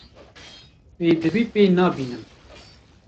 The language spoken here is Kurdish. Pêdivî pê nabînim.